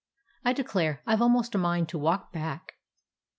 I declare, I Ve almost a mind to walk back."